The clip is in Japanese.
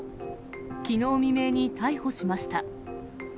きのう未明に逮捕しました。